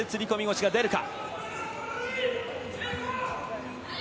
腰が出るか。